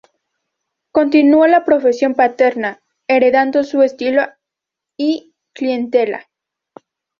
Continuó la profesión paterna, heredando su estilo y clientela.